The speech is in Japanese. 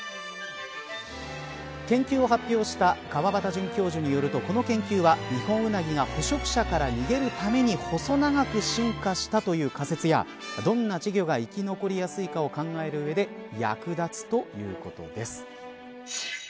研究を発表した河端准教授によると、この研究はニホンウナギが捕食者から逃げるために細長く進化したという仮説やどんな稚魚が生き残りやすいかを考える上で役立つということです。